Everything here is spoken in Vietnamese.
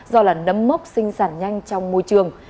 do là nấm mốc sinh sản nhanh trong môi trường